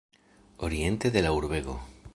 Oriente de la urbego.